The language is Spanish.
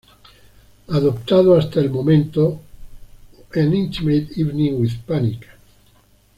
Adoptado hasta el momento "An Intimate Evening with Panic!